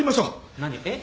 何えっ？